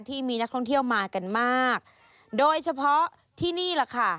ที่มีนักท่องเที่ยวมากันมากโดยเฉพาะที่นี่แหละค่ะ